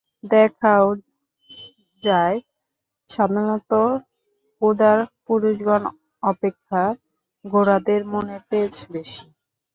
দেখাও যায়, সাধারণত উদার পুরুষগণ অপেক্ষা গোঁড়াদের মনের তেজ বেশী।